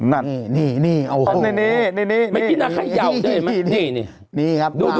นี่นี่ที่นี่